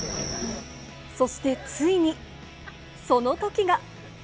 そしてついに、そのときが。